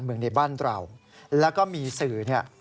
เมืองในบ้านเราและมีสื่อ